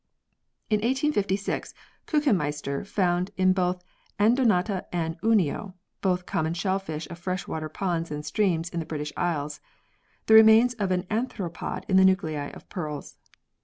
In 1856, Kiichenmeister found in both Anodonta and Unio (both common shellfish of fresh water ponds and streams in the British Isles) the remains of an arthropod in the nuclei of pearls.